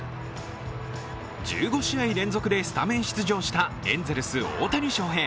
１５試合連続でスタメン出場したエンゼルス・大谷翔平。